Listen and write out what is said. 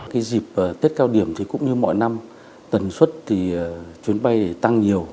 cái dịp tết cao điểm thì cũng như mọi năm tần suất thì chuyến bay tăng nhiều